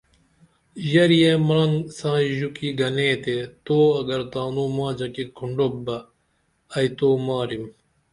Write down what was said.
ژریے مرنگ سائی ژوکی گنی تے تو اگر تانو ماچہ کی کُھنڈوپ بہ ائی تو ماریم